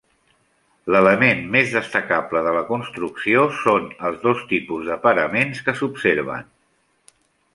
L'element més destacable de la construcció són els dos tipus de paraments que s'observen.